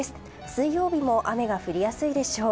水曜日も雨が降りやすいでしょう。